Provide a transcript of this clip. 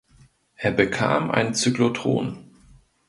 Es bekam ein Zyklotron.